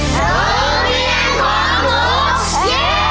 โดนเวียงของหมู